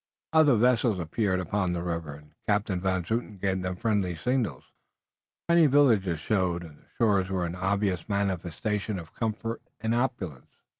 Other vessels appeared upon the river, and Captain Van Zouten gave them friendly signals. Tiny villages showed and the shores were an obvious manifestation of comfort and opulence.